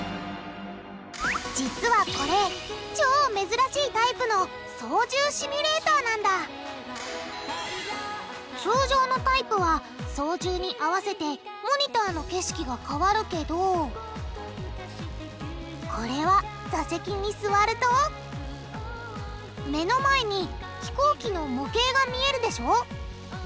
実はこれ超珍しいタイプの操縦シミュレーターなんだ通常のタイプは操縦に合わせてモニターの景色が変わるけどこれは座席に座ると目の前に飛行機の模型が見えるでしょ。